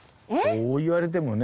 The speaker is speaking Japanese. そう言われてもね。